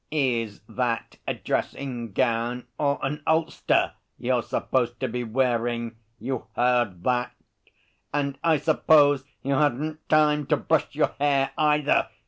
'"Is that a dressing gown or an ulster you're supposed to be wearing?" You heard that?... "And I suppose you hadn't time to brush your hair either?"